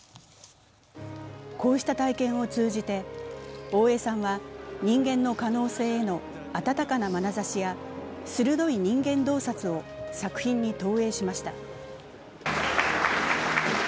こうした体験を通じて大江さんは人間の可能性への温かなまなざしや鋭い人間洞察を作品に投影しました。